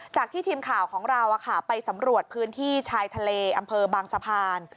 จากที่ทีมข่าวของเราไปสำรวจพื้นที่ชายทะเลอำเภอบางสะพาน